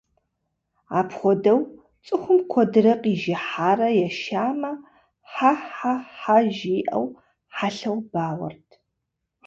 Апхуэдэу, цӀыхум куэдрэ къижыхьарэ ешамэ «хьэ-хьэ-хьэ» жиӀэу хьэлъэу бауэрт.